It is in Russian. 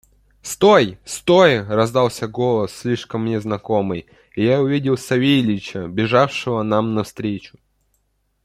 «Стой! стой!» – раздался голос, слишком мне знакомый, – и я увидел Савельича, бежавшего нам навстречу.